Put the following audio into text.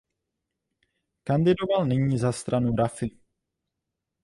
Kandidoval nyní za stranu Rafi.